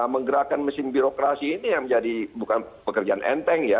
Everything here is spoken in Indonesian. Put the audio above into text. menggerakkan mesin birokrasi ini yang menjadi bukan pekerjaan enteng ya